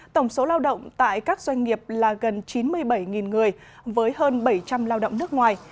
tổng số lao động tại các doanh nghiệp là gần chín mươi bảy người với hơn bảy trăm linh lao động nước ngoài